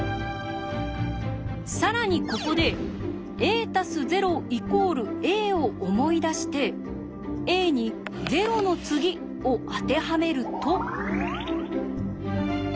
更にここで「ａ＋０＝ａ」を思い出して「ａ」に「０の次」を当てはめると。